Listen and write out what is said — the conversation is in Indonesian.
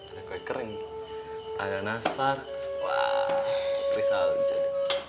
ada kue kering ada naslar wah krisal aja